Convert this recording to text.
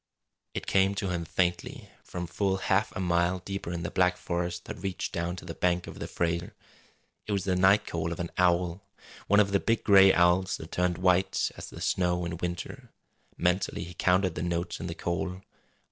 It came to him faintly, from full half a mile deeper in the black forest that reached down to the bank of the Frazer. It was the night call of an owl one of the big gray owls that turned white as the snow in winter. Mentally he counted the notes in the call.